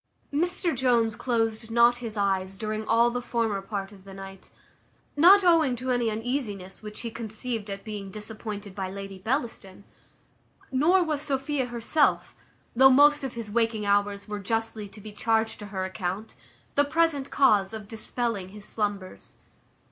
Mr Jones closed not his eyes during all the former part of the night; not owing to any uneasiness which he conceived at being disappointed by Lady Bellaston; nor was Sophia herself, though most of his waking hours were justly to be charged to her account, the present cause of dispelling his slumbers.